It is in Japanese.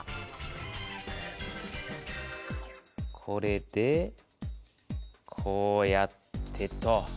これでこうやってと。